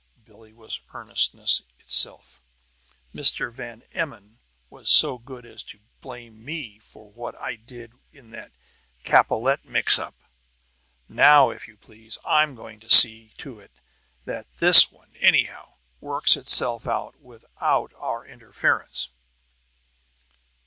Billie was earnestness itself. "Mr. Van Emmon was so good as to blame me for what I did in that Capellette mix up; now, if you please, I'm going to see to it that this one, anyhow, works itself out without our interference!"